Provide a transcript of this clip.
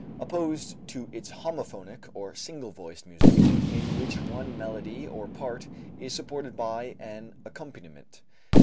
Opposed to it is homophonic, or single voiced, music, in which one melody or part is supported by an accompaniment.